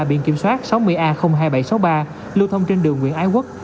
biển kiểm soát sáu mươi a hai nghìn bảy trăm sáu mươi ba lưu thông trên đường nguyễn ái quốc